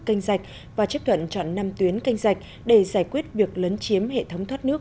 canh rạch và chấp thuận chọn năm tuyến canh rạch để giải quyết việc lấn chiếm hệ thống thoát nước